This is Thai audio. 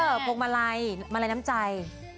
เออโปร่งมาลัยมาลัยน้ำใจ